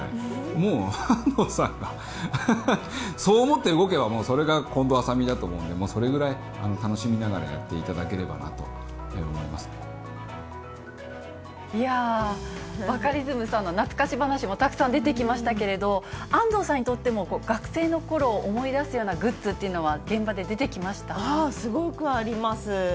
もう、安藤さんがそう思って動けば、もうそれが近藤麻美だと思うので、それくらい、楽しみながらいやあ、バカリズムさんの懐かし話もたくさん出てきましたけれども、安藤さんにとっても学生のころを思い出すようなグッズっていうのすごくあります。